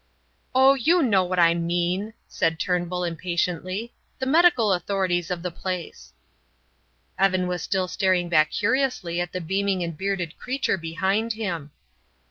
"Oh, you know what I mean," said Turnbull, impatiently. "The medical authorities of the place." Evan was still staring back curiously at the beaming and bearded creature behind him.